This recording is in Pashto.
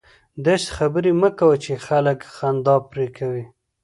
داسي خبري مه کوئ! چي خلک خندا پر کوي.